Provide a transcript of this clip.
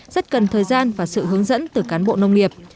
rất cần thời gian và sự hướng dẫn từ cán bộ nông nghiệp